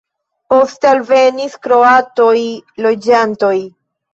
Poste alvenis kroataj loĝantoj.